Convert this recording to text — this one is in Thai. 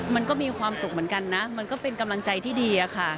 มันก็มีความสุขเหมือนกันนะมันก็เป็นกำลังใจที่ดีอะค่ะ